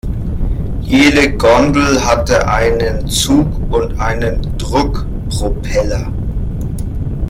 Jede Gondel hatte einen Zug- und einen Druckpropeller.